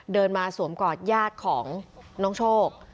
เดินมาสวมกอดญาติของน้องโชค